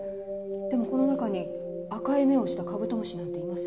でもこの中に赤い目をしたカブトムシなんていません。